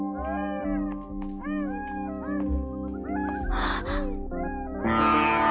あっ！